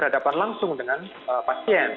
tidak dapat langsung dengan pasien